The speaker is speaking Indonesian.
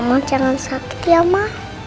mama jangan sakit ya ma